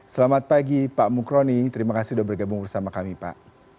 selamat pagi pak mukroni terima kasih sudah bergabung bersama kami pak